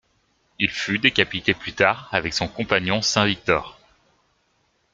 Il fut décapité plus tard avec son compagnon Saint Victor.